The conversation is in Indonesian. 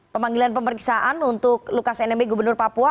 pemanggilan pemeriksaan untuk lukas nmb gubernur papua